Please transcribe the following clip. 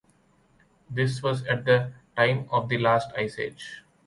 This was at the time of the last ice age.